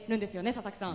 佐々木さん。